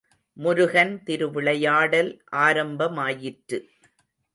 முருகன் திருவிளையாடல் ஆரம்பமாயிற்று.